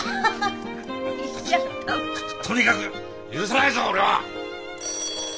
とにかく許さないぞ俺は！